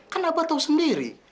kan abah tau sendiri